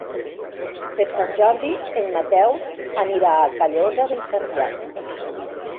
Per Sant Jordi en Mateu anirà a Callosa d'en Sarrià.